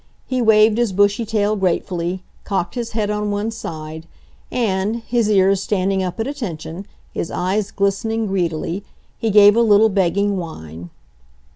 He waved his bushy tail gratefully, cocked his head on one side, and, his ears standing up at attention, his eyes glistening greedily, he gave a little, begging whine.